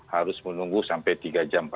harus menunggu sampai tiga jam